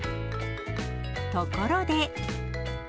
ところで。